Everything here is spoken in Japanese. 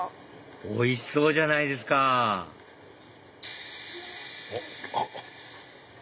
おいしそうじゃないですかあっ！